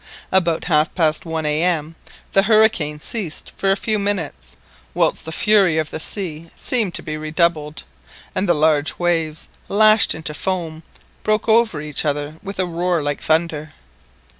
About half past one A.M. the hurricane ceased for a few minutes, whilst the fury of the sea seemed to be redoubled, and the large waves, lashed into foam, broke over each other with a roar like thunder.